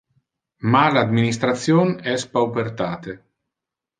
Mal administration es paupertate.